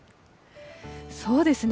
そうですね。